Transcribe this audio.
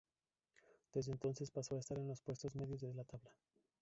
Desde entonces pasó a estar en los puestos medios de la tabla.